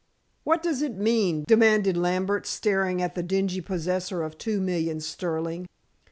"What does it mean?" demanded Lambert, staring at the dingy possessor of two millions sterling.